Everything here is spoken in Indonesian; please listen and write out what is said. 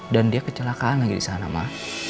dan dia kecelakaan lagi disana mbak